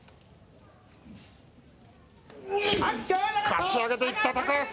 かち上げていった高安。